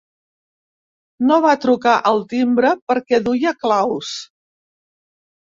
No va trucar al timbre perquè duia claus.